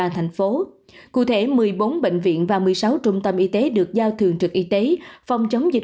thành phố cụ thể một mươi bốn bệnh viện và một mươi sáu trung tâm y tế được giao thường trực y tế phòng chống dịch